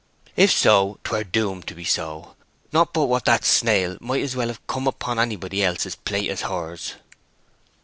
"If so, 'twere doomed to be so. Not but what that snail might as well have come upon anybody else's plate as hers."